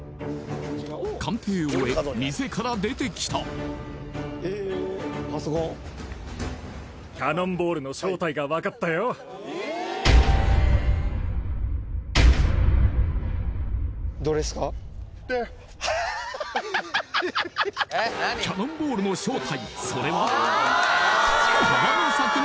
鑑定を終え店から出てきたキャノンボールの正体